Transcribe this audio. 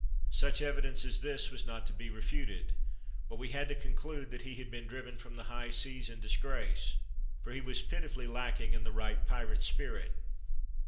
Such evidence as this was not to be refuted, but we had to conclude that he had been driven from the High Seas in dis grace, for he was pitifully lacking in the right pirate spirit.